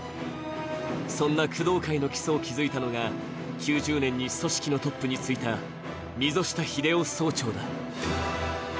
そんな工藤会の基礎を築いたのが９０年に組織のトップについた溝下秀男総長だ。